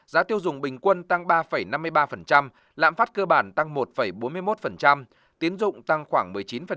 giá tiêu dùng bình quân tăng ba năm mươi ba lạm phát cơ bản tăng một bốn mươi một tiến dụng tăng khoảng một mươi chín